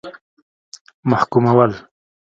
محکومول.